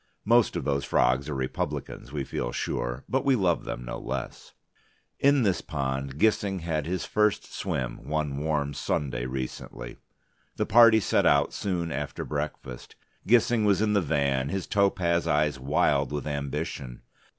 Most of those frogs are Republicans, we feel sure, but we love them no less. In this pond Gissing had his first swim one warm Sunday recently. The party set out soon after breakfast. Gissing was in the van, his topaz eyes wild with ambition.